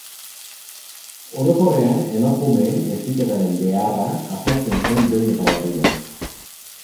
Orokorrean, emakumeen heziketaren beharra azaltzen zen behin eta berriro.